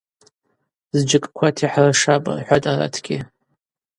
Зджьакӏквата йхӏыршапӏ, – рхӏватӏ аратгьи.